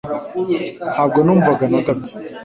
Ntabwo namwumvaga na gato